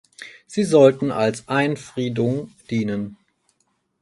Sie sollten als Einfriedung dienen.